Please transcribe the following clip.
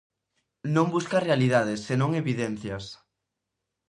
Non busca realidades senón evidencias.